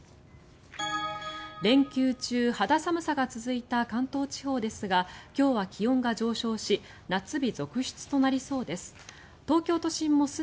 連休中、肌寒さが続いた関東地方ですが今日は気温が上昇し夏日続出となりそうです。